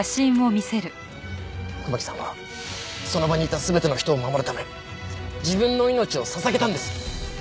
熊木さんはその場にいた全ての人を守るため自分の命を捧げたんです。